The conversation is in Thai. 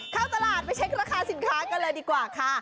เข้าตลาดไปเช็คราคาสินค้ากันเลยดีกว่าค่ะ